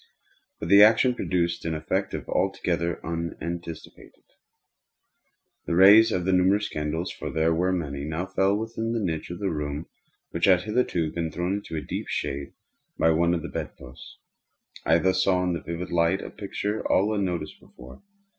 But the action produced an effect altogether unanticipated. The rays of the numerous candles (for there were many) now fell within a niche of the room which had hitherto been thrown into deep shade by one of the bed posts. I thus saw in vivid light a picture all unnoticed before.